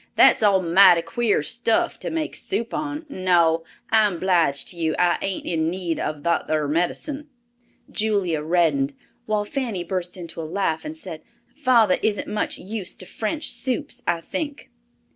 "That's almighty queer stuff to make soup on. No. I'm 'bleeged to you; I ain't in need of that ar medicine." Julia reddened, while Fanny burst into a laugh and said, "Father isn't much used to French soups, I think."